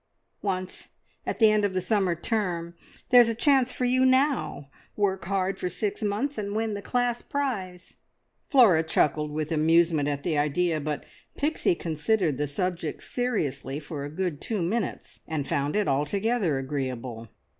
"Once. At the end of the summer term. There's a chance for you now! Work hard for six months, and win the class prize!" Flora chuckled with amusement at the idea, but Pixie considered the subject seriously for a good two minutes, and found it altogether agreeable.